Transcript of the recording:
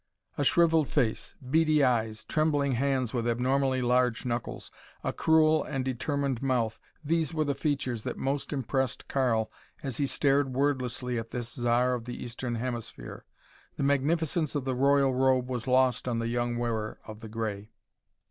A shriveled face; beady eyes; trembling hands with abnormally large knuckles; a cruel and determined mouth these were the features that most impressed Karl as he stared wordlessly at this Zar of the Eastern Hemisphere. The magnificence of the royal robe was lost on the young wearer of the gray.